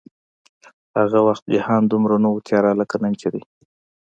هغه وخت جهان دومره نه و تیاره لکه نن چې دی